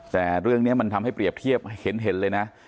แต่เรื่องนี้มันทำให้เปรียบเทียบเห็นเลยนะ